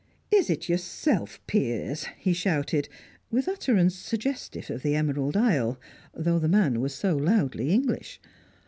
"Is it yourself, Piers?" he shouted, with utterance suggestive of the Emerald Isle, though the man was so loudly English.